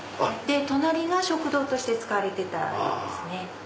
隣が食堂として使われてたようですね。